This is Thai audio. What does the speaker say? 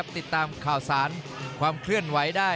ติดตามข่าวสารความเคลื่อนไหวได้